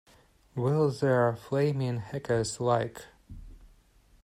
Will there flamin' heck as like.